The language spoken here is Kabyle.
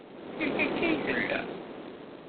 Yak akka i tella.